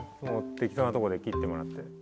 適当なとこで切ってもらって。